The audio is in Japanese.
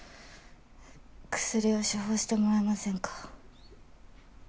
薬を処方してもらえませんか？